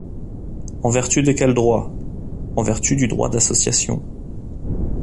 En vertu de quel droit ? en vertu du droit d’association.